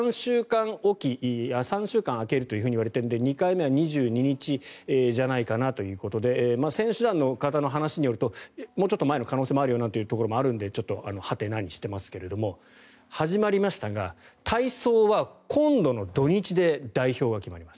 ３週間明けるといわれているので２回目は２２日じゃないかなということで選手団の方の話によるともうちょっと前の可能性もあるよということなのでちょっと、ハテナにしていますが始まりましたが体操は今度の土日で代表が決まります。